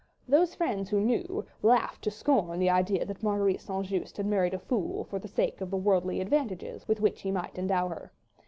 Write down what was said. Those friends who knew, laughed to scorn the idea that Marguerite St. Just had married a fool for the sake of the worldly advantages with which he might endow her.